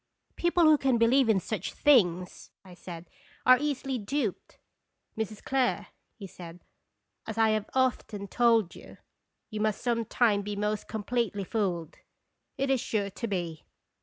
" People who can believe in such things," I said, "are easily duped/' "Mrs. Clare," he said, "as I have often told you, you must some time be most com pletely fooled. It is sure to be.